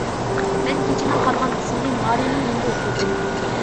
مەن كېچىنىڭ قالغان قىسمىنى مارىنىڭ يېنىدا ئۆتكۈزدۈم.